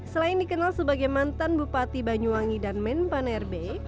selain dikenal sebagai mantan bupati banyuwangi dan men panerbe